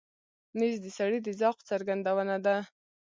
مېز د سړي د ذوق څرګندونه ده.